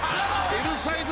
Ｌサイズ